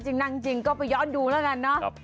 จริงนั่งจริงก็ไปย้อนดูแล้วกันเนอะ